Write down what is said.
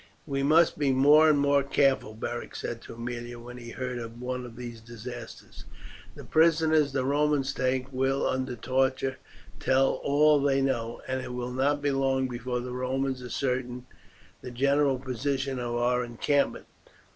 "We must be more and more careful," Beric said to Aemilia when he heard of one of these disasters. "The prisoners the Romans take will under torture tell all they know, and it will not be long before the Romans ascertain the general position of our encampment.